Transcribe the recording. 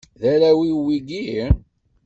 D arraw-im wigi?